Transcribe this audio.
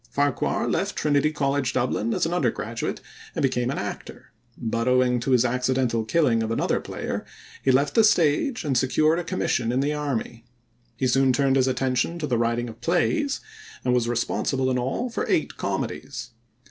Farquhar left Trinity College, Dublin, as an undergraduate and became an actor, but owing to his accidental killing of another player he left the stage and secured a commission in the army. He soon turned his attention to the writing of plays, and was responsible in all for eight comedies.